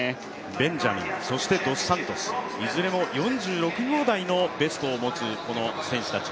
ベンジャミン、そしてドスサントス、いずれも４５秒台のベストを持つ選手たち。